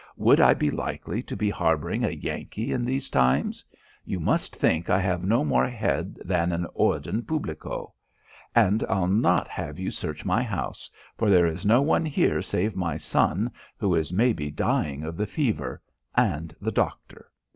Would I be likely to be harbouring a Yankee in these times? You must think I have no more head than an Orden Publico. And I'll not have you search my house, for there is no one here save my son who is maybe dying of the fever and the doctor.